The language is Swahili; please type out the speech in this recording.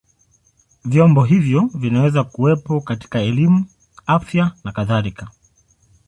Vyombo hivyo vinaweza kuwepo katika elimu, afya na kadhalika.